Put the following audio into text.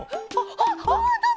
あっほんとだ！